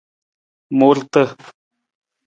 Muurata.